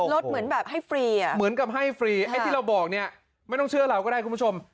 เหมือนแบบให้ฟรีอ่ะเหมือนกับให้ฟรีไอ้ที่เราบอกเนี่ยไม่ต้องเชื่อเราก็ได้คุณผู้ชม